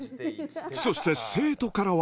そして生徒からは。